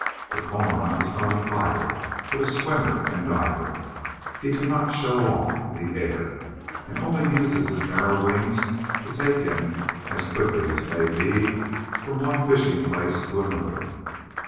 The Cormorant is not a flier, but a swimmer and diver; he cannot "show off" in the air, and only uses his narrow wings to take him, as quickly as may be, from one fishing place to another.